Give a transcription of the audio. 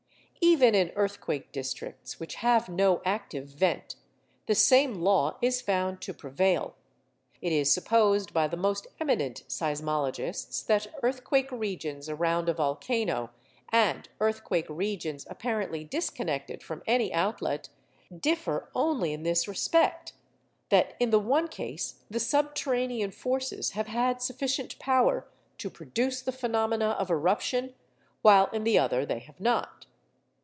Even in earthquake districts which have no active vent, the same law is found to prevail. It is supposed by the most eminent seismologists that earthquake regions around a volcano, and earthquake regions apparently disconnected from any outlet, differ only in this respect, that in the one case the subterranean forces have had sufficient power to produce the phenomena of eruption, while in the other they have not.